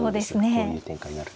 こういう展開になると。